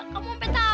kamu sampe tau